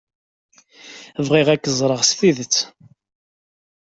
Bɣiɣ ad k-ẓreɣ s tidet.